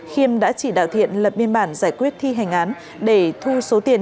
khiêm đã chỉ đạo thiện lập biên bản giải quyết thi hành án để thu số tiền